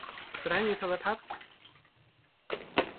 สถานีโทรทัศน์